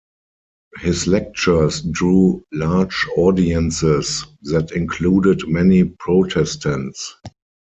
His lectures drew large audiences that included many Protestants.